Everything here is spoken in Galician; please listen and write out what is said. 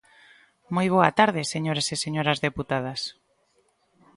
Moi boa tarde, señores e señoras deputadas.